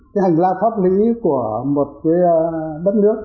cái hành la pháp lý của một cái bất nước